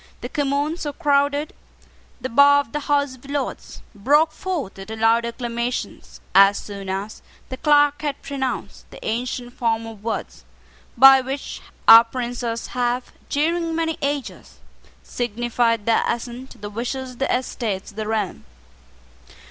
The Commons, who crowded the bar of the House of Lords, broke forth into loud acclamations as soon as the clerk had pronounced the ancient form of words by which our princes have, during many ages, signified their assent to the wishes of the Estates of the realm.